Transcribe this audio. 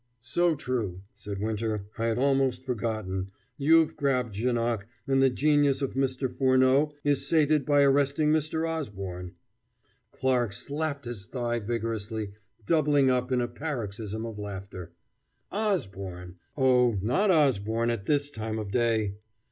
"So true," said Winter; "I had almost forgotten. You've grabbed Janoc, and the genius of Mr. Furneaux is sated by arresting Mr. Osborne " Clarke slapped his thigh vigorously, doubling up in a paroxysm of laughter. "Osborne! Oh, not Osborne at this time of day!"